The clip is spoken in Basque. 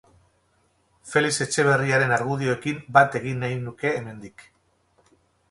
Felix Etxeberriaren argudioekin bat egin nahi nuke hemendik.